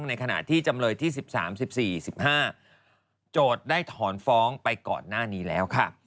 ในขณะที่จำเลยที่๑๓๑๔๑๕โจทย์ได้ถอนฟ้องไปก่อนหน้านี้แล้วค่ะ